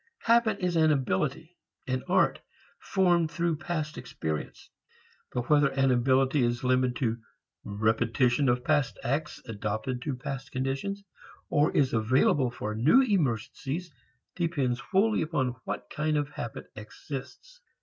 Habit is an ability, an art, formed through past experience. But whether an ability is limited to repetition of past acts adopted to past conditions or is available for new emergencies depends wholly upon what kind of habit exists.